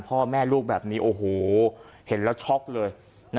พ่อแม่ลูกแบบนี้โอ้โหเห็นแล้วช็อกเลย